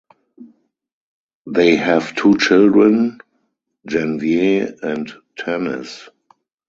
They have two children, Janvier and Tanis.